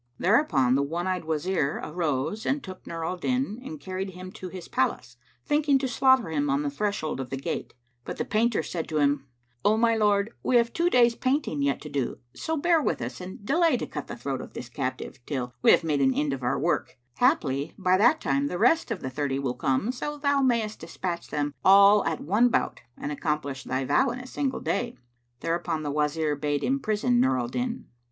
Thereupon the one eyed Wazir arose and took Nur al Din and carried him to his palace, thinking to slaughter him on the threshold of the gate; but the painters said to him, "O my lord, we have two days' painting yet to do: so bear with us and delay to cut the throat of this captive, till we have made an end of our work; haply by that time the rest of the thirty will come, so thou mayst despatch them all at one bout and accomplish thy vow in a single day." Thereupon the Wazir bade imprison Nur al Din.